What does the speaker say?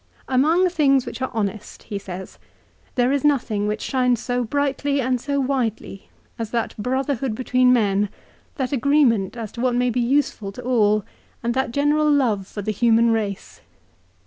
"Among things which are honest," he says, "there is nothing which shines so brightly and so widely as that brotherhood between men, that agreement as to what may be useful to all, and that general love for the human race.